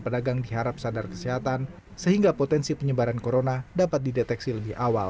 pedagang diharap sadar kesehatan sehingga potensi penyebaran corona dapat dideteksi lebih awal